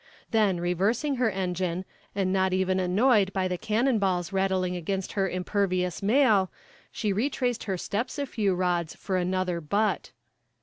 Then, reversing her engine, and not even annoyed by the cannon balls rattling against her impervious mail, she retraced her steps a few rods for another butt.